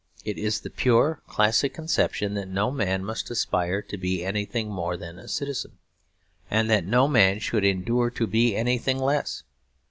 It is the pure classic conception that no man must aspire to be anything more than a citizen, and that no man should endure to be anything less.